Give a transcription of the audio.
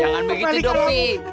jangan begitu dopi